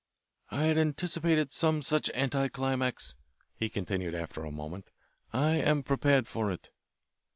"I had anticipated some such anti climax," he continued after a moment. "I am prepared for it."